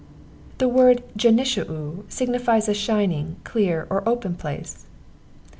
The word Genishau signifies a shining, clear or open place.